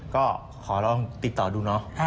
ก็ขอลองติดต่อดูเนาะ